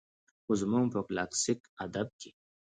خو زموږ په کلاسيک ادب کې